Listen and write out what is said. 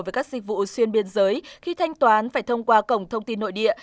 với các dịch vụ xuyên biên giới khi thanh toán phải thông qua cổng thông tin nội địa